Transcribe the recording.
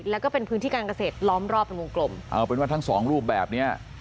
แล้วก็เป็นพื้นที่การเกษตรล้อมรอบเป็นวงกลมเอาเป็นว่าทั้งสองรูปแบบเนี้ย